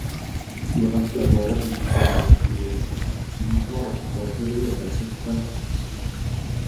Durante la guerra di indipendenza di Haiti fu l'ultima roccaforte dell'esercito francese.